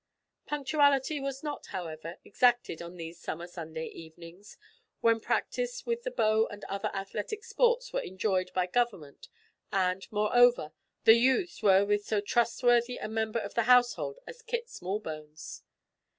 Punctuality was not, however, exacted on these summer Sunday evenings, when practice with the bow and other athletic sports were enjoined by Government, and, moreover, the youths were with so trustworthy a member of the household as Kit Smallbones.